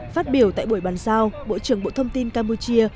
phát biểu tại buổi bàn giao bộ trưởng bộ thông tin campuchia